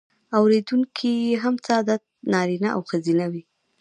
اوریدونکي یې هم ساده نارینه او ښځینه وي.